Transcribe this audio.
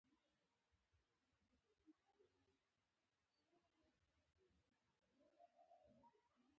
هغه د ونو څانګې پرې کولې.